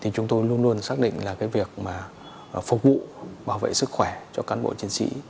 chúng tôi luôn luôn xác định là việc phục vụ bảo vệ sức khỏe cho cán bộ chiến sĩ